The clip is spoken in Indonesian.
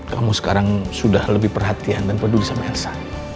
kamu sekarang sudah lebih perhatian dan peduli sama elsa